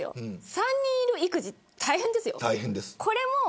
３人いる育児、大変ですよ。